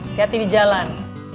hati hati di jalan